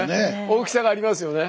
大きさがありますよね。